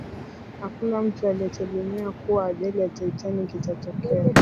hakuna mtu aliyetegemea kuwa ajali ya titanic itatokea